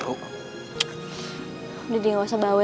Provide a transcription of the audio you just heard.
udah dia gak usah bawa